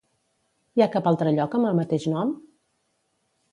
Hi ha cap altre lloc amb el mateix nom?